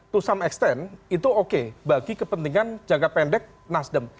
to some extent itu oke bagi kepentingan jangka pendek nasdem